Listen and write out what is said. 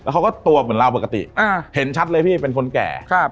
เขาก็ตัวเหม็นเราปกติเห็นชัดเลยพี่แบบเป็นคนแก่